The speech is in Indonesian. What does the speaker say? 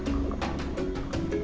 silat harimau pasaman